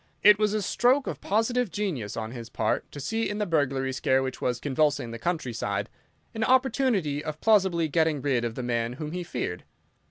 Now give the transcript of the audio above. It was a stroke of positive genius on his part to see in the burglary scare which was convulsing the country side an opportunity of plausibly getting rid of the man whom he feared.